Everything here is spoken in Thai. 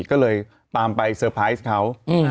ก็เลยตามไปเซอร์ไพรส์เขา